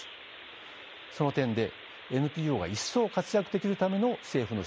その点でＮＰＯが一層活躍できるための政府の支援が必要と言えます。